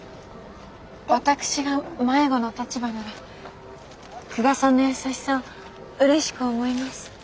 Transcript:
私が迷子の立場なら久我さんの優しさをうれしく思います。